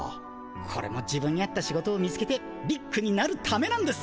これも自分に合った仕事を見つけてビッグになるためなんです。